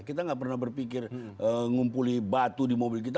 kita nggak pernah berpikir ngumpuli batu di mobil kita